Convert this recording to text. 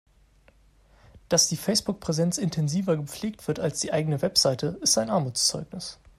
Dass die Facebook-Präsenz intensiver gepflegt wird als die eigene Website, ist ein Armutszeugnis.